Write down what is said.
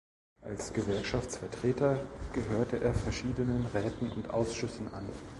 Als Gewerkschaftsvertreter gehörte er verschiedenen Räten und Ausschüssen an.